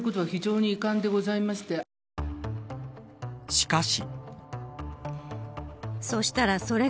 しかし。